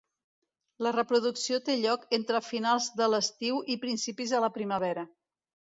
La reproducció té lloc entre finals de l'estiu i principis de la primavera.